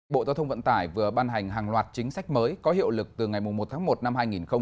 bộ giao thông vận tải vừa ban hành hàng loạt chính sách mới có hiệu lực từ ngày một tháng một năm hai nghìn hai mươi